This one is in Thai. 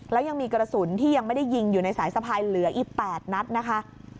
แล้วยังมีกระสุนที่ยังไม่ได้ยิงอยู่ในสายสะพายเหลืออีก๘นัดนะคะ